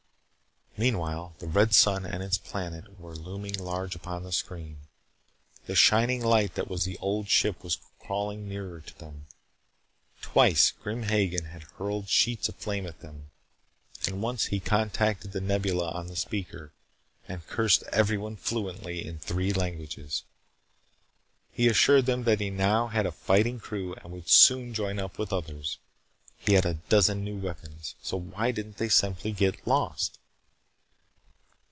Meanwhile, the red sun and its planet were looming large upon the screen. The shining light that was the Old Ship was crawling nearer to them. Twice Grim Hagen had hurled sheets of flame at them. And once he contacted The Nebula on the speaker and cursed everyone fluently in three languages. He assured them that he now had a fighting crew and would soon join up with others. He had a dozen new weapons. So why didn't they simply get lost?